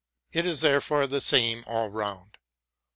It is therefore the same all round.